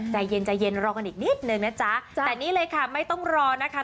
ใจเย็นใจเย็นรอกันอีกนิดนึงนะจ๊ะแต่นี่เลยค่ะไม่ต้องรอนะคะ